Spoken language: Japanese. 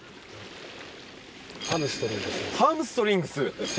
ハムストリングス。